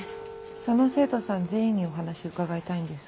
その生徒さん全員にお話伺いたいんですが。